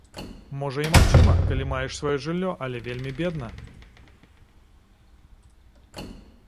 Можа, і магчыма, калі маеш сваё жыллё, але вельмі бедна.